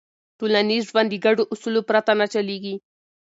ټولنیز ژوند د ګډو اصولو پرته نه چلېږي.